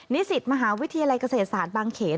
นิสิตมหาวิทยาลัยเกษตรศาสตร์บางเขน